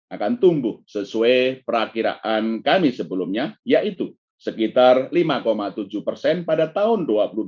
akan tumbuh sesuai perakiraan kami sebelumnya yaitu sekitar lima tujuh persen pada tahun dua ribu dua puluh